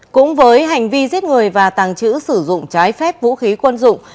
cũng với hành vi giết người và tàng trữ sử dụng trái phép vũ khí quân dụng